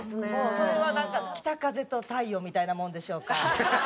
それはなんか『北風と太陽』みたいなもんでしょうか。